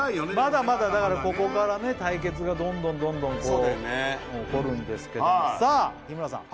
まだまだだからここからね対決がどんどんどんどんそうだよね起こるんですけどもさあ日村さん